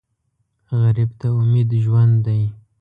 غریب ته امید ژوند دی